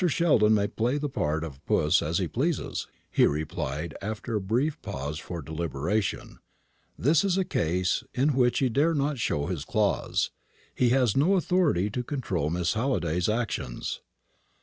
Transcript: Sheldon may play the part of puss as he pleases," he replied after a brief pause for deliberation; "this is a case in which he dare not show his claws. He has no authority to control Miss Halliday's actions."